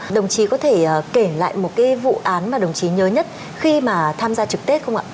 đồng chí có thể kể lại một cái vụ án mà đồng chí nhớ nhất khi mà tham gia trực tết không ạ